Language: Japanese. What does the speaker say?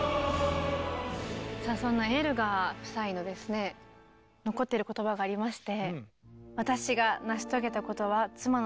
さあそんなエルガー夫妻のですね残ってる言葉がありまして。